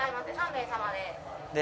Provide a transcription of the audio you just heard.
３名様で。